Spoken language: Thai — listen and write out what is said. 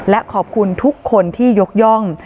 และขอบคุณทุกคนที่ยกย่อง